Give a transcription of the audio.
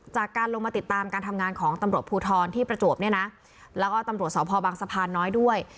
จากการลงมาติดตามการทำงานของตำรวจภูทรที่ประจวบเนี่ยนะแล้วก็ตำรวจสพบังสะพานน้อยด้วย